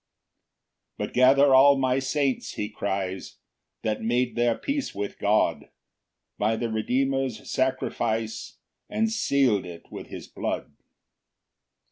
5 "But gather all my saints," he cries, "That made their peace with God, "By the Redeemer's sacrifice, "And seal'd it with his blood.